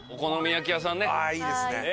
ああいいですね。